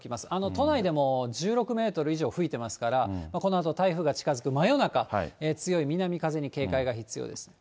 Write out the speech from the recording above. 都内でも１６メートル以上吹いてますから、このあと台風が近づく真夜中、強い南風に警戒が必要です。